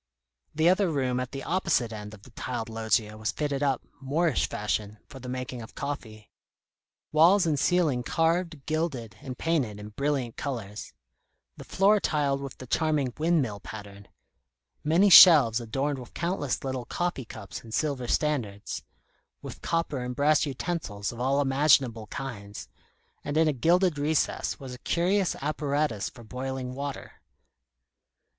The other room at the opposite end of the tiled loggia was fitted up, Moorish fashion, for the making of coffee; walls and ceiling carved, gilded, and painted in brilliant colours; the floor tiled with the charming "windmill" pattern; many shelves adorned with countless little coffee cups in silver standards; with copper and brass utensils of all imaginable kinds; and in a gilded recess was a curious apparatus for boiling water.